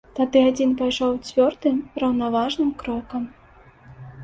Тады адзін пайшоў цвёрдым, раўнаважным крокам.